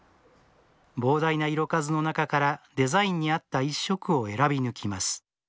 膨大な色数の中からデザインに合った一色を選び抜きます